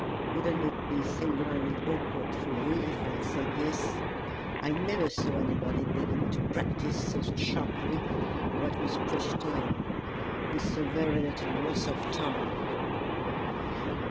Wouldn't it be singularly awkward for you if I had said 'Yes'? I never saw anybody begin to practise so sharply what was preached to him with so very little loss of time!"